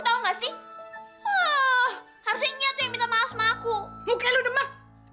tahu enggak sih oh sagninya yang minta maaf sama aku enak aja kebahagiaan kebahagiaan mata lu siapa